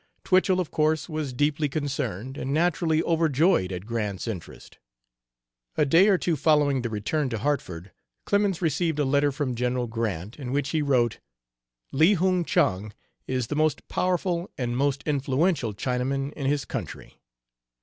Twichell, of course, was deeply concerned and naturally overjoyed at Grant's interest. A day or two following the return to Hartford, Clemens received a letter from General Grant, in which he wrote: "Li Hung Chang is the most powerful and most influential Chinaman in his country.